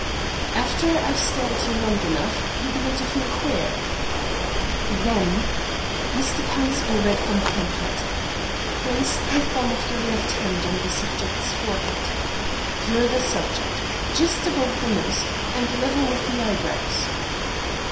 "'After I've stared at you long enough, you begin to feel queer. Then'" Mr. Pownceby read from the pamphlet, "'Place the thumb of your left hand on the subject's forehead' you're the subject 'just above the nose, and level with the eyebrows.'"